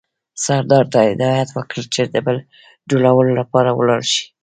سردار ته هدایت وکړ چې د پل جوړولو لپاره ولاړ شي.